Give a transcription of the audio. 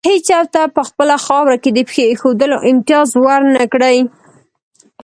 هېڅ یو ته په خپله خاوره کې د پښې ایښودلو امتیاز ور نه کړي.